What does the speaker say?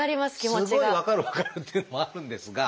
すごい分かるからっていうのもあるんですが。